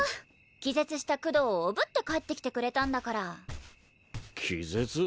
気絶したクドーをおぶって帰ってきてくれたんだから気絶？